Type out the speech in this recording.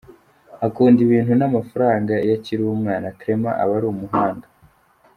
Akunda ibintu n’amafaranga, iyo akiri umwana, Clement aba ari umuhanga.